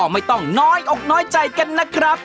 ไม่ต้องน้อยอกน้อยใจกันนะครับ